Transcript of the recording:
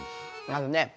あのね